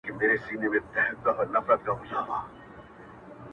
نور دي په لستوڼي کي په مار اعتبار مه کوه!.